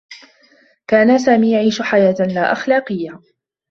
كان سامي يعيش حياة لاأخلاقيّة.